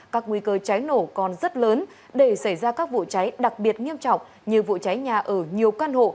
các nguy cơ cháy nổ còn rất lớn để xảy ra các vụ cháy đặc biệt nghiêm trọng như vụ cháy nhà ở nhiều căn hộ